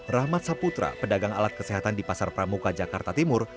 rahmat saputra pedagang alat kesehatan di pasar pramuka jakarta timur